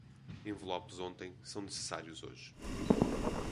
Envelopes ontem são necessários hoje.